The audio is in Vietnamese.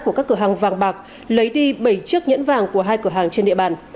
của các cửa hàng vàng bạc lấy đi bảy chiếc nhẫn vàng của hai cửa hàng trên địa bàn